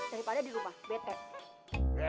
daripada dilupa bete